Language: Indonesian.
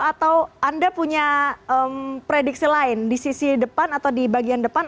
atau anda punya prediksi lain di sisi depan atau di bagian depan